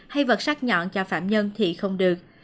hay vật sắc nhọn cho phạm nhân thì không được